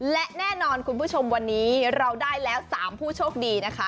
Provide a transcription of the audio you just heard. และแน่นอนคุณผู้ชมวันนี้เราได้แล้ว๓ผู้โชคดีนะคะ